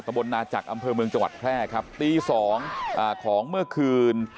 บนนาจักรอำเภอเมืองจังหวัดแพร่ครับตีสองอ่าของเมื่อคืน